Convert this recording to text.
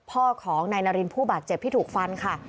พ่อของนายนารินผู้บาดเจ็บที่ถูกฟันค่ะ